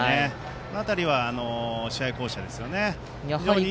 あの辺りは試合巧者ですよね。